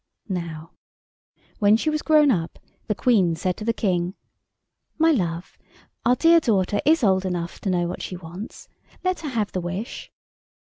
Now, when she was grown up the Queen said to the King— "My love, our dear daughter is old enough to know what she wants. Let her have the wish."